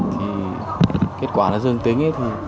thì kết quả là dương tính